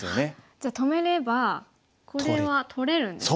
じゃあ止めればこれは取れるんですね。